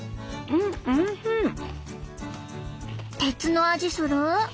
鉄の味する？